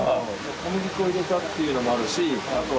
小麦粉入れたっていうのもあるしあとは。